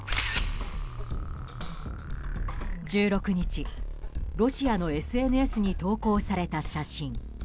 １６日、ロシアのＳＮＳに投稿された写真。